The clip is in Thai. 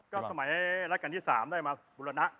ก็สมัยรัชกาลที่๓ได้มาบุรณะ